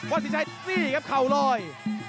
สินชัยนี่ครับเข่าลอย